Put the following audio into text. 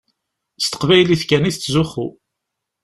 S teqbaylit kan i tettzuxxu.